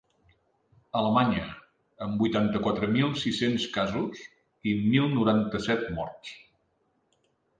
Alemanya, amb vuitanta-quatre mil sis-cents casos i mil noranta-set morts.